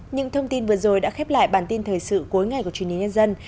những thông tin vừa rồi đã khép lại bản tin thời sự cuối ngày của truyền hình nhân dân